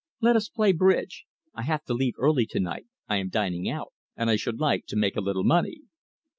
Let us play bridge. I have to leave early to night I am dining out and I should like to make a little money."